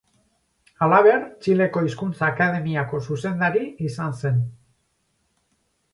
Halaber, Txileko Hizkuntza Akademiako zuzendari izan zen.